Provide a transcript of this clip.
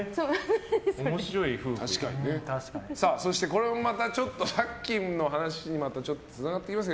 そして、これもまたさっきの話につながってきます。